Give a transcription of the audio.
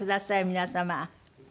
皆様。